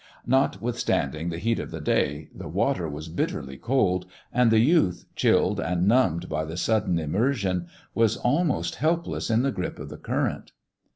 Notwithstanding the heat of the day, the water was bit terly cold, and the youth, chilled and numbed by the sudden immersion, was almost helpless in the grip of the current.